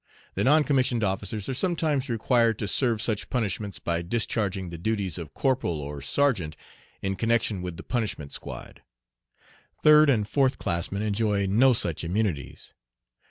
The non commissioned officers are sometimes required to serve such punishments by discharging the duties of corporal or sergeant in connection with the punishment squad. Third and fourth classmen enjoy no such immunities.